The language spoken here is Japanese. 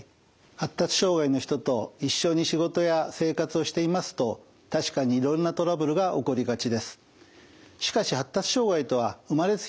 発達障害の人と一緒に仕事や生活をしていますと確かにいろんなトラブルが起こりがちです。